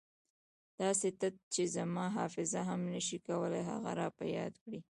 داسې تت چې زما حافظه هم نه شي کولای هغه را په یاد کړي.